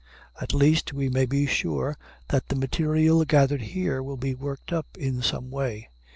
At least, we may be sure that the material gathered here will be worked up in some way.